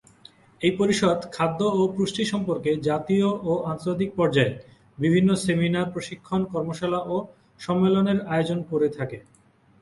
এই পরিষদ খাদ্য ও পুষ্টি সম্পর্কে জাতীয় ও আন্তর্জাতিক পর্যায়ে বিভিন্ন সেমিনার, প্রশিক্ষণ, কর্মশালা ও সম্মেলনের আয়োজন করে থাকে।